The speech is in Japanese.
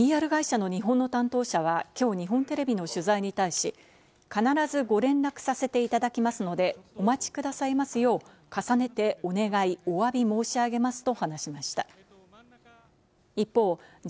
ＰＲ会社の日本の担当者はきょう日本テレビの取材に対し必ずご連絡させていただきますので、お待ちくださいますよう、重ねてお願い、お詫び申し上げますと話しました。